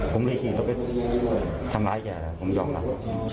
ผมหลีกี่ต้องไปทำร้ายแกผมต้องการ